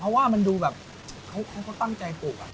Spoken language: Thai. เพราะว่ามันดูแบบเขาก็ตั้งใจปลูก